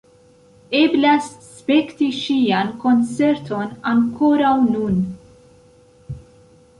Eblas spekti ŝian koncerton ankoraŭ nun.